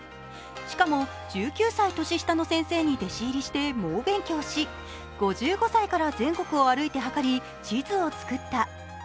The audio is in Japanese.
しかも、１９歳年下の先生に弟子入りして猛勉強し、５５歳から全国を歩いて測り地図を作った。